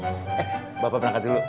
eh bapak berangkat dulu